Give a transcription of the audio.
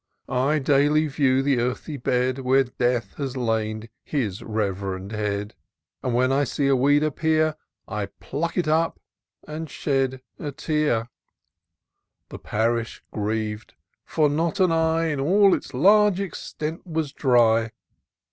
I daily view the earthy bed. Where Death has laid his rev'rend head ; And when I see a weed appear, I pluck it up> and shed a tear. The parish griev'd, for not an eye In all its large extent was dry.